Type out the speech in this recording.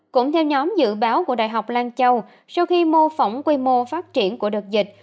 cũng theo nhóm dự báo của đại học lan châu sau khi mô phỏng quy mô phát triển của đợt dịch